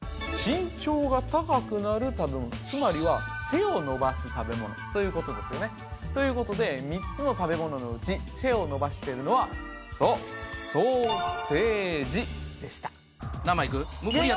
身長が高くなる食べ物つまりは背を伸ばす食べ物ということですよねということで３つの食べ物のうち「セ」を伸ばしているのはそうソーセージでした何番いく？